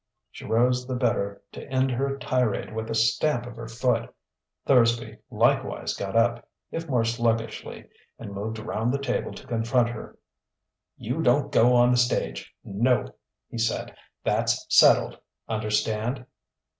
She rose the better to end her tirade with a stamp of her foot. Thursby likewise got up, if more sluggishly, and moved round the table to confront her. "You don't go on the stage no!" he said. "That's settled. Understand?"